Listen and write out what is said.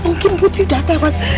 gak mungkin putri dah tewas